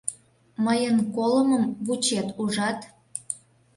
— Мыйын колымым вучет, ужат.